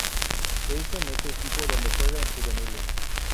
Es en ese equipo donde juega en juveniles.